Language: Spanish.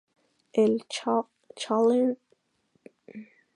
El "Challenger of Record" para la próxima edición es el Círculo de Vela Sicilia.